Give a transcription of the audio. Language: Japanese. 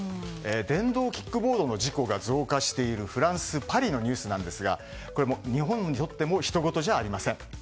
電動キックボードの事故が増加しているフランス・パリのニュースなんですが日本にとってもひとごとじゃありません。